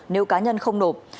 nếu cá nhân không nộp